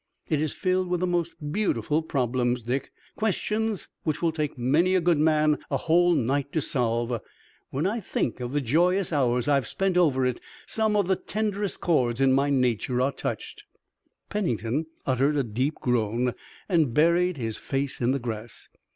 It is filled with the most beautiful problems, Dick, questions which will take many a good man a whole night to solve. When I think of the joyous hours I've spent over it some of the tenderest chords in my nature are touched." Pennington uttered a deep groan and buried his face in the grass.